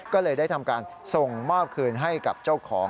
ก็เลยได้ทำการส่งมอบคืนให้กับเจ้าของ